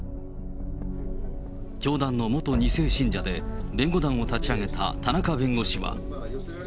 教団の元２世信者で、弁護団を立ち上げた田中弁護士は。